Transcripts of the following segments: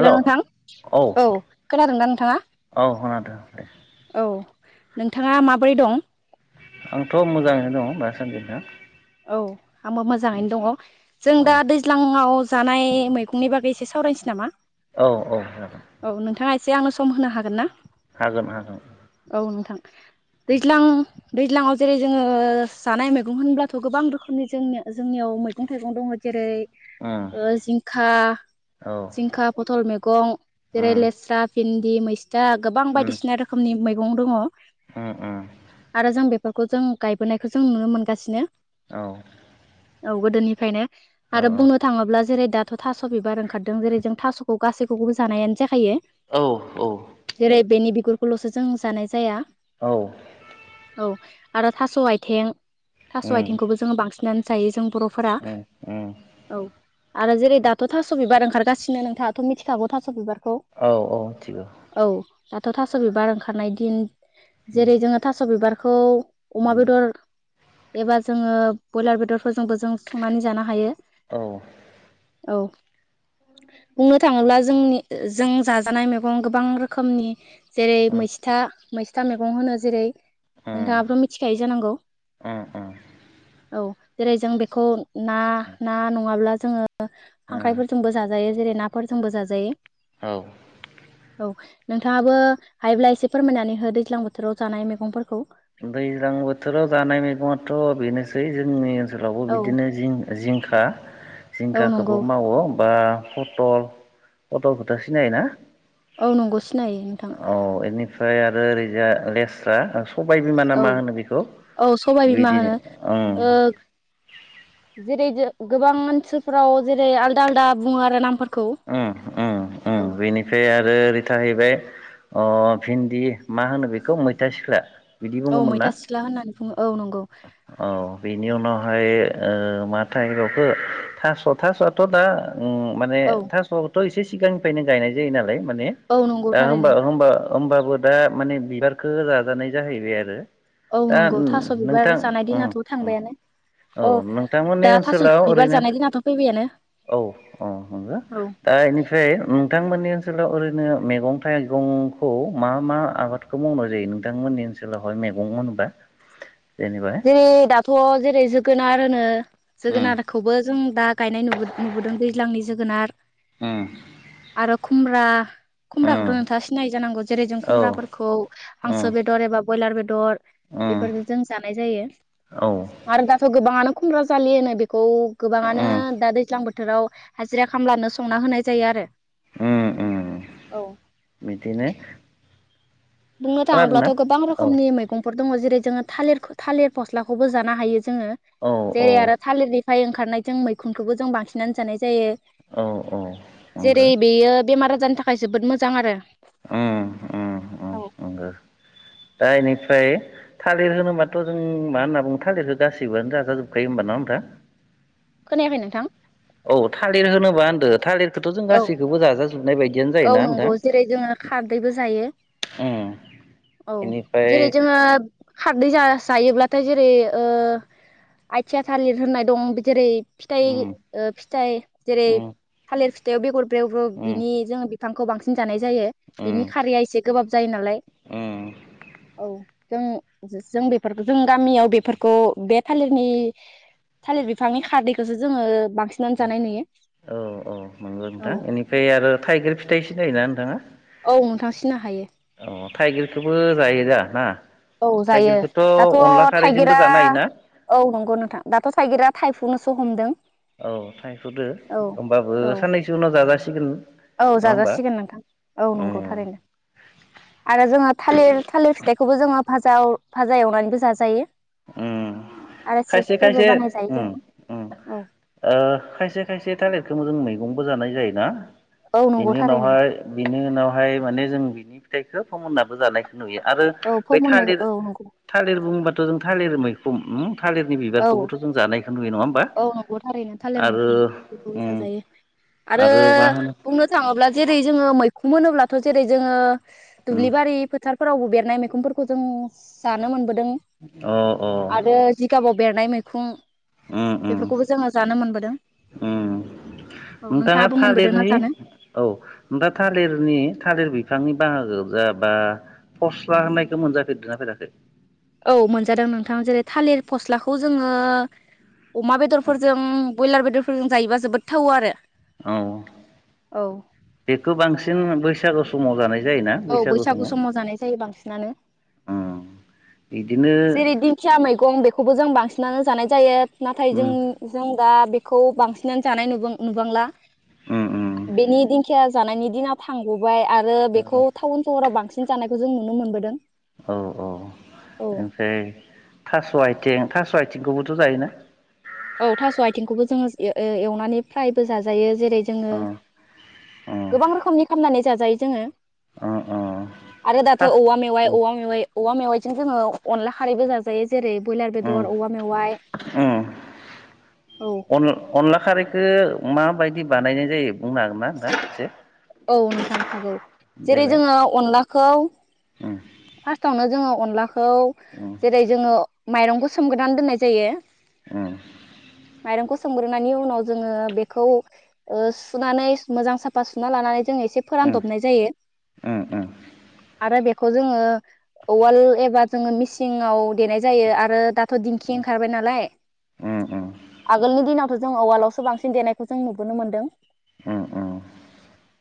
हेल' नोंथां औ खोनादोंदा नोंथाङा खोनादों औ। नोंथाङा माबोरै दं? आंथ' मोजाङैनो दङ दासान्दिनो। औ आंबो मोजाङैनो दङ जों औ दा दैज्लाङाव जानाय मैगंनि बागै एसे सावरायनोसै नामा? औ औ जागोन। औ नोंथाङा एसे आंनो सम होनो हागोन ना? हागोन हागोन। औ नोंथां दैज्लां दैज्लाङाव जेरै जोङो जानाय मैगं होनब्ला थ' गोबां रोखोमनि जोंनि जोंनियाव मैगं थाइगं दङ जेरै उम ओ जिंखा औ जिंखा पथल मेगं जेरै उम लेस्रा फिन दि मैज था गोबां उम बायदिसिना रोखोमनि मै गं दङ। उम उम। फोरखौ जों गायबोनायखौ जों नुनो मोनगासिनो। औ। औ गोदोनिफ्रायनो आरो बुंनो थाङोब्ला जेरै दाथ' थास' बिबार ओंखारदों जेरै जों थास'खौ गासैखौबो जानायानो जाखायो औ औ जेरै बेनि बि गुरखौल'सो जों जानाय जाया। औ। औ आरो थास' आयथें। थास' आयथ उम आयथिंखौबो जोङो बांसिनानो जायो जों बर' उम उम। आरो जेरै दाथ' थास' बिबार ओंखारगासिनो नोंथाङाथ' मिथिखागौ थास' बिबार। औ औ मिथिगौ। दाथ' थास' बिबार ओंखारनाय दिन। उम जेरै जोङो थास' बिबार खौ अमा उम बेदर एबा जोङो बयलार बेदरफोरजोंबो जों संनानै जानो हायो। औ। औ बुंनो थाङोब्ला जोंनि जों जाजानाय मैगं गोबां रोखोमनि जेरै उम मैसथा मै था मैगं होनो जेरै नोंथाङाथ' मिथिखायो जानांगौ? उम उम औ जेरै जों बेखौ ना ना नङाब्ला जोङो उम खांख्रायफोरजोंबो जाजायो जेरै नाफोरजोंबो औ जाजायो औ नोंथाङाबो हायोब्ला एसे फोरमायनानै हो दैज्लां बोथोराव जानाय मैगंफोरखौ दैज्लां बोथोराव जानाय मैगङाथ' बेनोसै जोंनि ओ नसोलावबो औ बिदिनो जिं-जिंखा औ जिंखाखोबो नंगौ मावो बा पटल पटलखोथ' सिनायोना? औ नंगौ सिनायो नोंथां रो ओरैजा लेस्रा सबाय बिमा ना औ मा होनो बेखौ औ सबाय बिमा बिदिनो होनो ओं ओ जेरै जेरै गोबां ओनसोलफोराव जेरै आलदा आलदा बुङो आरो नामफोर उम उम उम बेनिफ्राय आरो ओरै थाहैबाय अ भिन्दि मा होनो बेखौ मैथा सिख्ला बिदि औ बुङोमोन मैथा ना सिख्ला होननानै बुङो औ नंगौ औ बेनि उनाव हाय ओ माथायै बावखो थास' थास'आथ' दा उम माने औ थास' थ' एसे सिगांनिफ्रायनो गायनाय जायो नालाय माने औ नंगौ दा थारैनो होमबा होमबा होमबाबो दा माने बिबारखो जानाय जाहैबाय आरो औ नंगौ थास' बिबार जानाय ओं दिनाथ' ओंऔ थांबायानो औ नोंथांमोननि दा थास' ओनसोलाव बिबार ओरैनो जानाय दिनाथ' फैबायानो औ औ नंगो औ दा इनिफ्राय नोंथांमोन नि ओनसोलाव ओरैनो मैगं थाइगंखौ मा मा आबादखौ मावनाय जायो नोंथांमोननि ओनसोलावहाय मैगं होनबा जेरै दाथ' जेरै जोगोनार ओनो उम जोगोनारखौबो जों दा गायनाय नुबोद-नुबोदों दैज्लांनि जोगोनार उम आरो कुम्रा उम खुमब्राखौथ' नोंथाङा सिनाय जानांगौ जेरै जों औ खुमब्राफोरखौ उम हांसो बेदर एबा बयलार बेदर उम बेफोरखो जों जा- नाय जायो औ आरो दाथ' गोबाङानो खुमब्रा जालि होनो बे खौ गोबाङानो उम दा दैज्लां बोथोर बोथोराव हाजिरा खामलानो संना होनाय जायो आरो उम ओ औ बिदिनो बुंनो थाङोब्लाथ' खोनादोंना गोबां औ रोखोमनि औ मैगंफोरखौ दङ जेरै जोङो थालिर थालिर फस्लाखौबो जानो हायो जोङो औ जेरै आरो थालिरनि ओमफाय ओंखारनाय जों मैखुनखौबो जों बांसिननानो जानाय जायो औ औ नंगो जेरै बेयो बेमार थाखाय जोबोद मोजां आरो उम उम उम उम नंगौ दा नै ओमफ्राय थालिर होनोबाथ' जों मा होनना बुङो थालिर गासिबोयानो जाजाजोबखायो होमबा नङा होमबा खोनायाखै नोंथां औ थालिर होनोबा होनदों थालिर थ' जों औ गासैखौबो जाजाजोबनाय बायदियनो औ जायोना नंगौ नोंथां जेरै जोङो खारदैबो जायो उम औ इनिफ्राय जेरै जोङो खार जायोब्लाथाय जेरै ओ आइथिया थालिर होननाय दं जेरै फिथाइ उम ओ फिथाइ जेरै उम थालिर बेगर ब्रेव ब्रेव उम बिनि जोङो बिफांखौ बांसि जानाय जायो उम बिनि खारिया एसे गोबाब जायो नालाय उम औ जों जों बेफोरखौ जों गामियाव बेफोरखौ बे थालिरनि थालिर बिफांनि खारदैखौसो जोङो बांसिनानो जानाय नुयो नोंगौ नोंथां औ बेनिफ्राय आरो थाइगिर फिथाइ खौ सिनायोना नोंथाङा? औ नोंथां सिना हायो औ थाइगिरखौबो जायो दा ना औ जायो थाइगिरखौथ' दाथ' अनला खारैजोंबो थाइगिरा जानो हायोना औ नंगौ नोंथां दाथ' थाइगिरा थायफुनो सो हमदों औ थायख'दो औ होमबाबो औ साननैसो उनाव जाजासिगोन। औ होमबा जाजासिगोन नोंथां औ उम नंगौ थारैनो आरो जोङो थालिर थालिर फिथाइखौबो जोङो माजा फाजा औ फाजा एवनानैबो जाजायो। ओयो आरो खायसे चिप्सफोरबो खायसे बानायजायो उम जों उम औ ओ खायसे खायसे थालिरख थोंजों मैगंबो जानाय जायो ना? औ नंगौ बिनि थारैनो उनावहाय बिनि उनावहाय माने जों बिदिब थाइखौ फमोननाबो जानायखो नुयो आरो औ बै फोमोननाय थालिर औ नंगौ थालिर बुंबा थालिर मैखुम औ बिबारखौबोथ' जों जानायखौ नुयो नङा होमबा औ नंगौ थारैनो थालिर आरो मैखुन बेखौ उम जाजायो आरो मा होनो बुंनो थाङोब्ला जेरै जोङो मैखु मोनोब्लाथ' जेरै जोङो उम दुब्लि बारि फोथार फोरावबो बेरनाय मैखुनफोरखौ जों जानो मोनबोद अ अ। जिगाबाव बेरनाय मैखुं उम उम उम औ नोंथाङा नोंथाङाबो मोनबोदोंना थालिरनि जानो औ नोंथाङा थालिरनि थालिर बिफांनि बाहागो जाबा फस्ला होननायखौ मोनजाफेरदोंना फेराखै? औ मोनजादों नोंथां जेरै थालिर फस्लाखौ जोङो अमा बेदरफोरजों ब्रयलार बेदरफ हुम जायोबा जोबोद थावयो आरो औ औ बेखौ बांसिन बैस बैसागु समाव जानाय औ बैसागु समाव जानाय जायो बांसिनानो उम बिदिनो जेरै दिंखिया मैगं बेखौबो जों बांसिन नानै जानाय जायो। नाथाय उम जों जों दा बेफ खौ बांसिनानो जानाय नुबा नुबांला उम उम बेनि दिंखियास जानायनि दिनाव थांग फ्राय आरो बेखौ टाउन सोहोराव बांसिन सि दानायखौ जानायखौ जों नुनो मोनबोदों। औ औ। औ ओमफ्राय थास आइ आथिं थास' आइथिंखौबोथ' जायोना? ओ एवनानै फ्रायबो जाजायो। जेरै जोङो अ अ गोबां रोखोमनि खमनानै जाजायो जोङो। अ अ आरो दाथ थास औवा मेवाइ उम औवा मेवाइ औवा मेवाइ सिन जोङो अनला खारैबो जाजायो जेरै बयलार उम बेदर औवा मेवाइ औ अन-अनलाखारै खो माबायदि बानायनाय जायो बुंनो हागोन ना होना नोंथां एसे औ नोंथां हागौ जेरै जोङो अनला खौ ओ फास्टावनो जोङो अनला खौ उम जेरै जोङो माइरंखौ सोमगोरनानै दोननाय जायो ओ माइरंखौ सोमग्रोनायनि उनाव जोङो बेखौ ओ सुनानै मोजां साफा सुना लानानै जोङो से फोरानदबनाय जायो उम उम आरो बे जोङो औवाल एबा जोङो मिसिङाव देनाय जायो आरो थ दिंखि ओंखारबाय नालाय उम उम आगोलनि दिनाव थ जोङो औवालावसो बांसिन देनायखौ जों नुबोनो मोनदों उम उम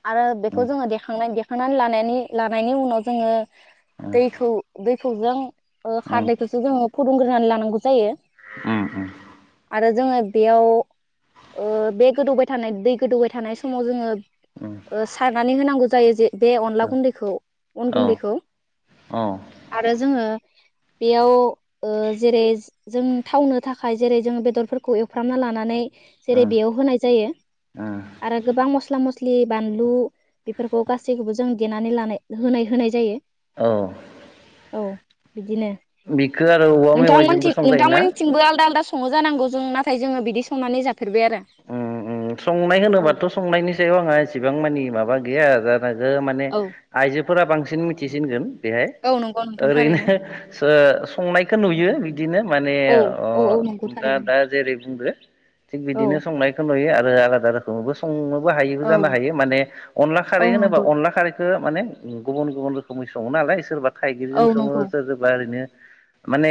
आरो बेखौ जोङो देखांनाय दे खांनानै लानायनि लाबायनि उनाव जोङो दैखौ दै खौ जों ओ खारदैखोसो जों फुदुंग्रोनानै लानांगौ जायो ओ ओ आरो जोङो बेयाव ओ बे गोदौबाय थानाय दै गोदौबाय थानाय समाव जोङो उम उम ओ सारनानै होनांगौ जायो जे बे अनला गुन्दैखौ अन औ गुन्दैखौ औ आरो जोङो बेयाव ओ जेरै जों थावनो थाखाय जेरै जोंङ बेदरफोरखौ एवफ्रामना लानानै जेरै उम बेयाव होनाय जायो उम आरो गोबां मस्ला मस्लि बानलु बेफोरखौ गासैखौबो जों देनानै लानाय होनाय होनाय जायो औ औ बिदिनो बिखो आरो औवा नोंथांमोनथिं मेवाइजोंबो संजायोना नोंथांमोननिथिंबो आलदा आलदा सङो जानांगौ जों नाथाय जोङो बिदि संनानै जाफेरबाय आरो ओं संनाय औ होनोबाथ संनायनि सायाव आङो एसेबां मानि माबा गैया हाजाद नाजायो माने औ आइजो फोरा बांसिन मिथिसिनगोन बेहाय औ नंगौ नोंथां ओरैनो थारैनो ओ [unintelligible] संनायखौ नुयो बिदिनो माने औ औ औ नंगौ दा थारैनो दा जेरै बुंदो थिग बिदिनो औ संनायखौ नुयो आलादा रोखोमबो [unintelligible] हायोबो औ जानो हायो माने अनला औ खारै होनोबा नंगौ अनला खारैखौ [unintelligible] माने गुबुन गुबुन रोखोमनि सङो नालाय सोरबा औ थाइगिरजों सङो नंगौ। सोर जोबा ओरैनो माने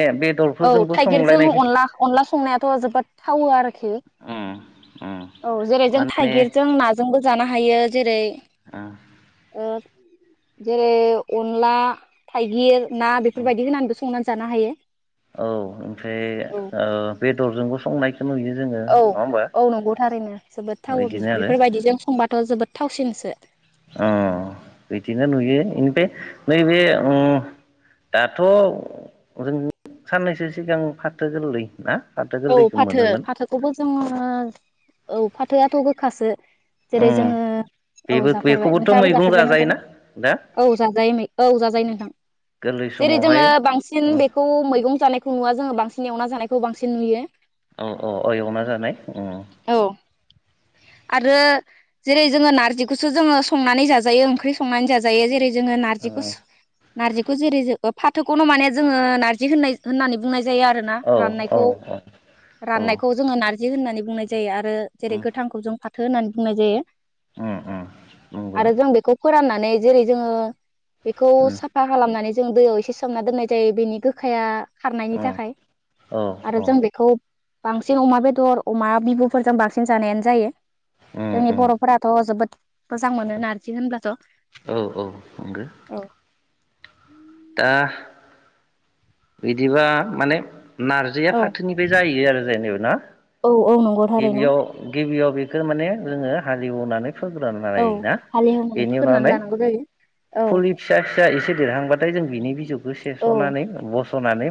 औ बेदरफोरजोंबो थाइगिरजों संलायनाय अनला अनला संनायाथ' जोबोद थावो आरोखि उम उम औ औ जेरै जों माने थाइगिरजों नाजोंबो जान [unintelligible] हायो जेरै [unintelligible] ओ जेरै अनला थाइगिर ना उम बेफोरबायदि होनानैबो संनानै जानो हायो औ ओमफ्राय औ ओ बेदरजोंबो संनाय औ औ नंगौ थारैनो जोबोद थाव बिदिनो आरो बेफोरबायदिजों संबाथ' जोबोद थावसिनसो [unintelligible] बेदिनो नुयो इनिफाय नैबे ओम दाथ' जों साननैसो सिगां फाथो गोरलै ना फाथो औ गोरलैखौ फाथो मोनोमोन फाथोखौबो जोङो औ फाथोआथ' [unintelligible] खासो जेरै जोङो औ बेबो जाफेरबाय बेखौबोथ' नोंथाङाबो मैगं जाफेरबाय नोंथां जाजायोना दा औ जाजायै औ जाजायो नोंथां गोरलै जेरै समावहाय जोङो बांसिन औ बेखौ मैगं जानाय [unintelligible] [unintelligible] जों बांसिन एवना जानायखौ [unintelligible] [unintelligible] औ औ एवना जानाय औ आरो जेरै जोङो नारजिखौसो जोङो संनानै जाजायो ओंख्रि संनानै जाजायो जेरै जोङो नारजिखौ [unintelligible] [unintelligible] जेरै फाथोखौनो मे जोङो नारजि होननाय होननानै बुंनाय जायो आरोना औ [unintelligible] औ राननायखौ जोङो नार [unintelligible] बिदि होननानै बुंनाय जायो आरो ओ जेरै गोथांखौ जों थो होननानै बुंनाय जायो। नंगौ औ आरो जों बेखौ फोरानना माने जेरै जोङो बेखौ साफा खालामनानै जों दैयाव एसे सोमना दोननाय जायो बेनि गोखाया खारनायनि थाखाय। औ आरो जों बेखौ बांसिन अमा बेदर अमा बिबुफोरजों बांसिन जानायानो जायो। जोंनि बर'फोराथ' जोबोद मोजां मोनो नारजि होनब्लाथ'। औ औ नंगौ ओ [inaudible] दा बिदिबा माने नारजिया औ फाथोनि बे जाहैयो आरो जेनेबा ना औ औ नंगौ थारैनो गिबियाव गिबियाव बेखौ माने जोङो हाले एवनानै औ [unintelligible] हालेवनानै बेनि उनाव फोग्रोनानै लानांगौ जायो औ फुलि फिसा फिसा एसे देरहांबा जोंनि बिजौ औ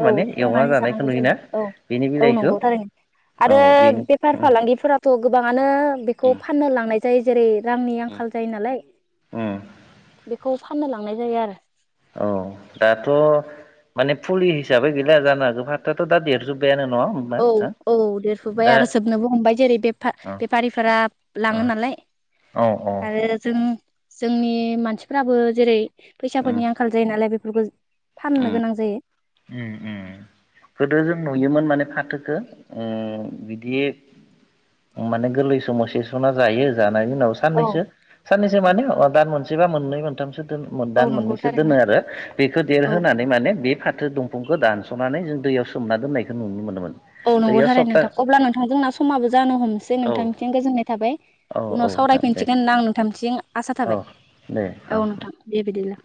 औ एवना संनानै जानायखौ जानांगौ नुयोना जायो। औ बेनि औ बिलाइखौ नंगौ थारैनो। औ आरो बेनो बेफार उम फालांगिफोराथ' गोबाङानो बेखौ फाननो लांनाय जायो। जेरै रांनि उम आंखाल जायो नालाय। उम बेखौ फाननो लांनाय जायो आरो। औ दाथ' माने फुलि हिसाबै गैला जानो जोंहा फाथोआथ' दा देरजोबबायानो औ औ देरजुबबाय आरो जोबनोबो हमबाय जेरै अ बेफारिफोरा अ लाङो नालाय अ आरो जों जोंनि मानसिफ्राबो जेरै उम फैसाफोरनि आंखाल जायो नालाय बे [unintelligible] उम उम उम गोदो जों नुयोमोन माने फाथो उम बिदि माने गोरलै समाव सेस'ना जायो जा बेनि उनाव औ साननैसो साननैस माने दान मोनसे बा मोननै मोनथामसो। औ दान नंगौ मोननैसो दोनो थारैनो। आरो बेखौ होनानै माने बे फाथो दंफांखौ दानस'नानै जों दैयाव सोमना दोननायखौ नुनो मोनोमोन। औ नंगौ दैयाव थारैनो सप्ता नोंथां अब्ला नोंथांजों समाबो जानो हमसै औ नोंथांनिथिं गोजोननाय थाबाय औ औ उनाव नोंथां दे सावरायफिनसिगोन होनना आं नोंथांनिसिम आसा औ थाबाय दे औ दे नोंथां दे बेदिब्ला।